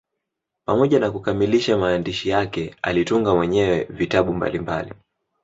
Pamoja na kukamilisha maandishi yake, alitunga mwenyewe vitabu mbalimbali.